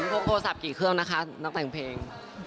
พกโทรศัพท์กี่เครื่องนะคะนักแต่งเพลง